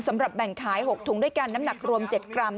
แบ่งขาย๖ถุงด้วยกันน้ำหนักรวม๗กรัม